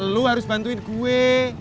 lu harus bantuin gue